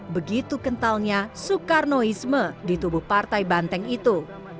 begitu kentalnya soekarnoisme di tubuh partai banteng itu